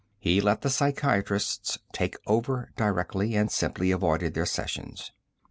He let the psychiatrists take over directly, and simply avoided their sessions.